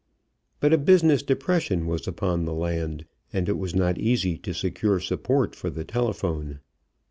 But a business depression was upon the land and it was not easy to secure support for the telephone.